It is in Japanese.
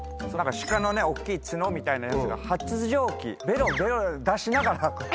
鹿のね大っきい角みたいなやつが発情期ベロ出しながら。